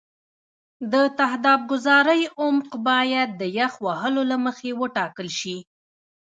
د تهداب ګذارۍ عمق باید د یخ وهلو له مخې وټاکل شي